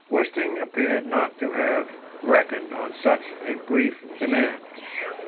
Wisting appeared not to have reckoned on such a brisk demand.